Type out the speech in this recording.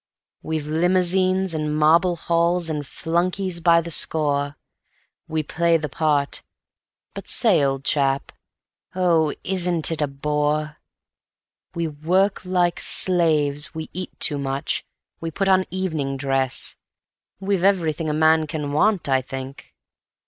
We've limousines, and marble halls, and flunkeys by the score, We play the part ... but say, old chap, oh, isn't it a bore? We work like slaves, we eat too much, we put on evening dress; We've everything a man can want, I think